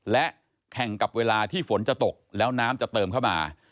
และแข่งกับเวลาที่ฝนจะตกแล้วน้ำจะเติมเข้ามา